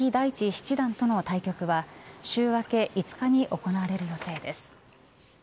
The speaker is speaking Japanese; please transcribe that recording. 七段との対局は週明け５日に行われる予定です。